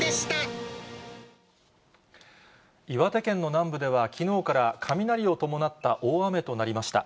岩手県の南部では、きのうから雷を伴った大雨となりました。